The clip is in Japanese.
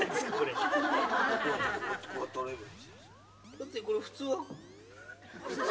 だってこれ普通は。